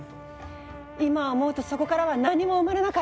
今思うとそこからは何も生まれなかった。